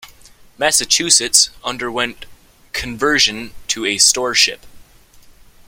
"Massachusetts" underwent conversion to a storeship.